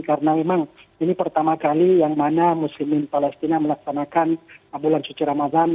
karena memang ini pertama kali yang mana muslimin palestina melaksanakan bulan suci ramadan